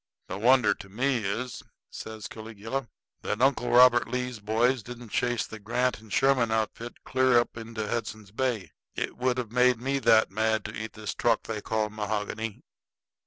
"The wonder to me is," says Caligula, "that Uncle Robert Lee's boys didn't chase the Grant and Sherman outfit clear up into Hudson's Bay. It would have made me that mad to eat this truck they call mahogany!"